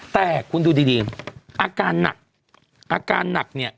แต่คุณดูดีอาการหนักอาการหนักเนี่ย